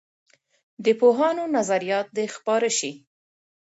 د پوهانو نظریات دې خپاره سي.